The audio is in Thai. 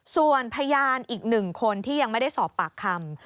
ส่วนพยานอีก๑คนที่ยังไม่ได้สอบปากคำ